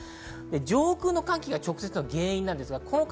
上空の寒気が直接の原因です。